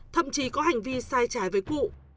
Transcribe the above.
thậm chí có hành vi sai trái với cụ